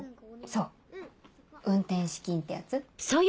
そう運転資金ってやつ。